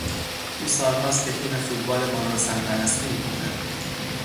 او سالهاست که تیم فوتبال ما را سر پرستی میکند.